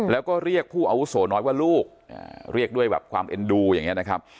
แล้วก็เรียกผู้อาวุโสน้อยว่าลูกเรียกด้วยแบบความเอ็นดูอย่างนี้นะครับ